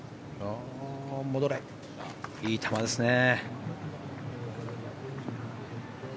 いい球ですね。